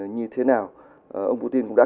như thế nào ông putin cũng đã